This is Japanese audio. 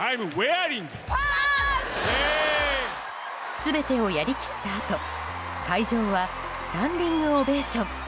全てをやり切ったあと会場はスタンディングオベーション。